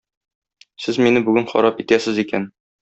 Сез мине бүген харап итәсез икән.